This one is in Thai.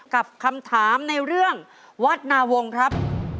กับคำถามในเรื่องวัดนาวงครับ